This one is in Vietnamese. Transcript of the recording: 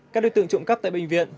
các đối tượng trộm cắp tại bệnh viện